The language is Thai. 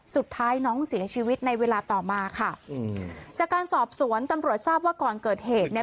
สุดท้ายน้องเสียชีวิตในเวลาต่อมาค่ะอืมจากการสอบสวนตำรวจทราบว่าก่อนเกิดเหตุเนี่ย